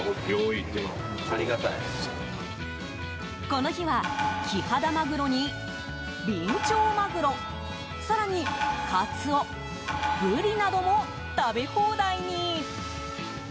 この日は、キハダマグロにビンチョウマグロ更に、カツオブリなども食べ放題に。